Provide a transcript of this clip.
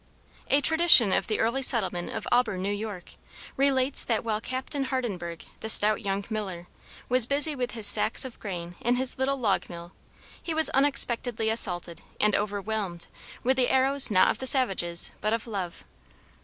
A tradition of the early settlement of Auburn, New York, relates that while Captain Hardenberg, the stout young miller, was busy with his sacks of grain in his little log mill, he was unexpectedly assaulted and overwhelmed with the arrows not of the savages but of love.